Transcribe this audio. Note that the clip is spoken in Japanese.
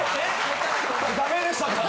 ダメでしたか？